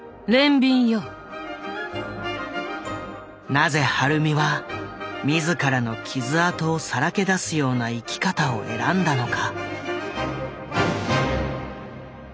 なぜ晴美は自らの傷痕をさらけ出すような生き方を選んだのか。